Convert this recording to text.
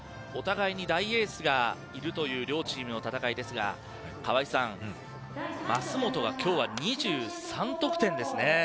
お互いに大エースがいるという両チームの戦いですが舛本が今日は２３得点ですね。